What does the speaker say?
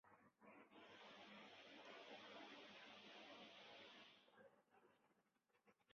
石莼目中的浒苔属与该属相近。